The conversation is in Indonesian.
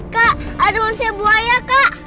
kak ada manusia buaya kak